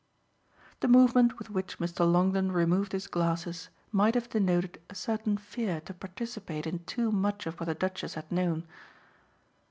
The movement with which Mr. Longdon removed his glasses might have denoted a certain fear to participate in too much of what the Duchess had known.